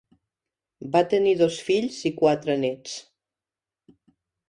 Va tenir dos fills i quatre nets.